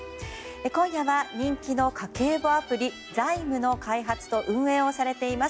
今夜は人気の家計簿アプリＺａｉｍの開発と運営をされています